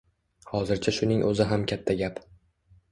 Hozircha shuning oʻzi ham katta gap.